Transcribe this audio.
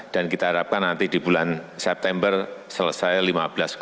dan kita harapkan nanti di bulan september selesai rp lima